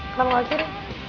kenapa lagi nih